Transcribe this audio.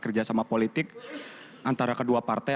kerja sama politik antara kedua partai